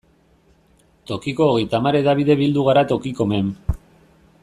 Tokiko hogeita hamar hedabide bildu gara Tokikomen.